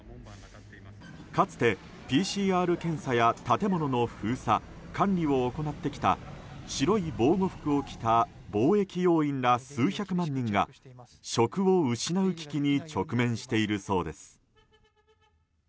かつてＰＣＲ検査や建物の封鎖・管理を行ってきた白い防護服を着た防疫要員ら数百万人が職を失う危機に直面しているそうです。